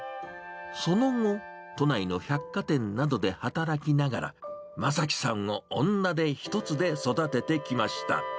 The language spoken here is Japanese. その後、都内の百貨店などで働きながら、正樹さんを女手一つで育ててきました。